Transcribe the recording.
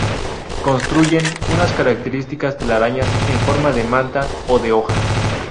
Construyen unas características telarañas en forma de manta o de hoja.